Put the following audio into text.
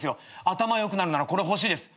頭良くなるならこれ欲しいです。